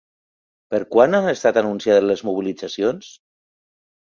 Per quan han estat anunciades les mobilitzacions?